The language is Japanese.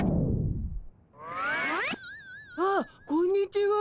あっこんにちは。